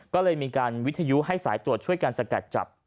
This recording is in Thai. ก็เลยมีการวิทยุให้สายตรวจช่วยกันสกัดจับ